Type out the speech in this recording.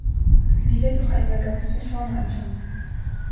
Sie will noch einmal ganz von vorne anfangen.